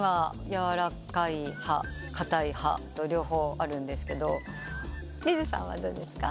やわらかい派かたい派と両方あるんですけどリズさんはどうですか？